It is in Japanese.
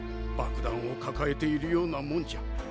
爆弾を抱えているようなもんじゃ。